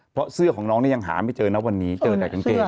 เพราะเสื้อของน้องนี่ยังหาไม่เจอนะวันนี้เจอแต่กางเกง